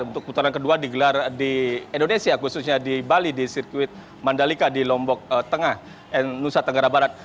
untuk putaran kedua digelar di indonesia khususnya di bali di sirkuit mandalika di lombok tengah nusa tenggara barat